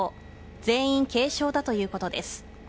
全員、軽傷だということです。